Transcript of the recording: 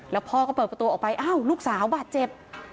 แล้วพ่อก็เปิดประตูออกไปอ้าวลูกสาวบาดเจ็บ